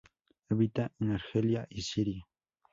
Habita en Argelia y Siria.